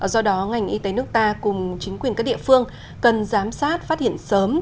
do đó ngành y tế nước ta cùng chính quyền các địa phương cần giám sát phát hiện sớm